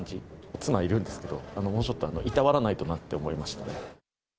妻がいるんですけど、もうちょっといたわらないとなって思いました。